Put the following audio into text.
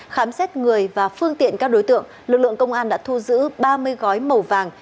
khám xét người và phương tiện các đối tượng lực lượng công an đã thu giữ ba mươi gói màu vàng